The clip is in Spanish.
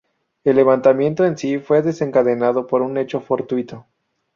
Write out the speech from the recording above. El levantamiento en sí fue desencadenado por un hecho fortuito.